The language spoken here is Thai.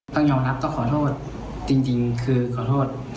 ต้องยอมรับต้องขอโทษจริงคือขอโทษ